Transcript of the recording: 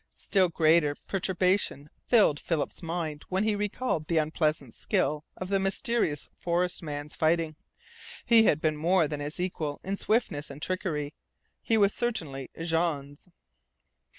Still greater perturbation filled Philip's mind when he recalled the unpleasant skill of the mysterious forest man's fighting. He had been more than his equal in swiftness and trickery; he was certainly Jean's.